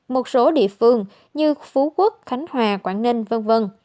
một số địa phương như phú quốc khánh hòa quảng ninh v v